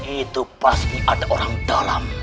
itu pasti ada orang dalam